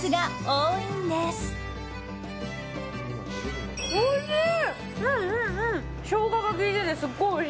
おいしい！